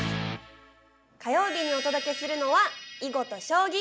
火曜日にお届けするのは囲碁と将棋。